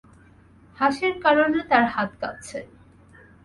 হাসির কারণে তাঁর হাত কাঁপছে।